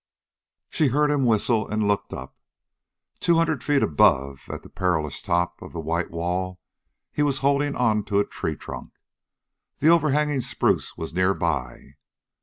She heard him whistle, and looked up. Two hundred feet above, at the perilous top of the white wall, he was holding on to a tree trunk. The overhanging spruce was nearby.